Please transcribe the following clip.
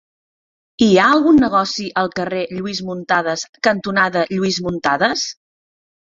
Hi ha algun negoci al carrer Lluís Muntadas cantonada Lluís Muntadas?